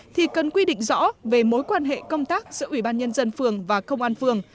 thì cần quy định rõ về mối quan hệ công tác giữa ủy ban nhân dân phường và công an phường